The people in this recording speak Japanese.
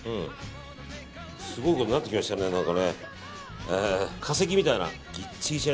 すごいことになってきましたね何かね。